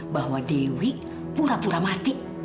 bahwa dewi pura pura mati